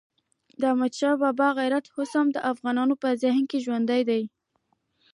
د احمدشاه بابا غیرت اوس هم د افغانانو په ذهن کې ژوندی دی.